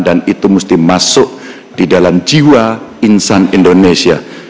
dan itu mesti masuk di dalam jiwa insan indonesia